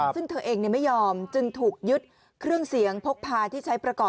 ซึ่งเธอเองไม่ยอมจึงถูกยึดเครื่องเสียงพกพาที่ใช้ประกอบ